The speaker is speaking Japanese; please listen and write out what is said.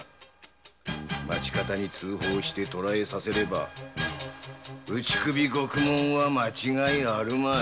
町方に通報して捕らえさせれば打ち首獄門は間違いあるまい。